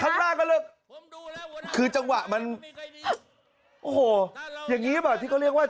ข้างหน้าก็เลือกคือจังหวะมันโอ้โหอย่างงี้แบบที่เขาเรียกว่า